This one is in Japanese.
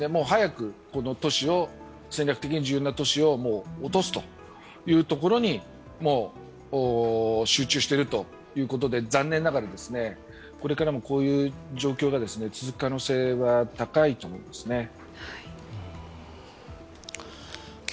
早く戦略的に重要な都市を落とすというところに集中しているということで、残念ながらこれからもこういう状況が続く可能性は高いと思いますね。